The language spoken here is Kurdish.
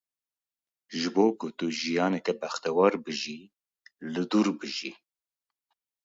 Ji bo ku tu jiyaneke bextewar bijî, li dûr bijî.